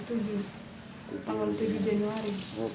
tanggal tujuh januari